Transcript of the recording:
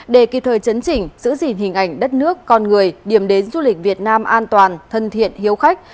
để kịp thời chấn chỉnh giữ gìn hình ảnh đất nước con người điểm đến du lịch việt nam an toàn thân thiện hiếu khách